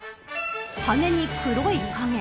羽に黒い影。